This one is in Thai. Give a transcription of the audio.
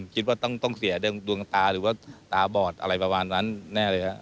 คิดว่าต้องเสียเรื่องดวงตาหรือว่าตาบอดอะไรประมาณนั้นแน่เลยครับ